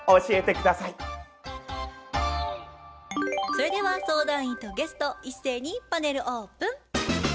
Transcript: それでは相談員とゲスト一斉にパネルオープン。